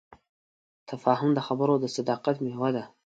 تفاهم د خبرو د صداقت میوه ده.